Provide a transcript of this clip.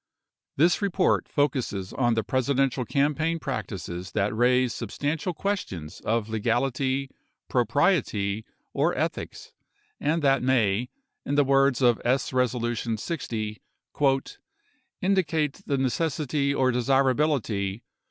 This report focuses on the Presidential campaign practices that raise substantial questions of legality, propriety, or ethics and that may, in the words of 6. Res. 60, "... indicate the necessity or desira bility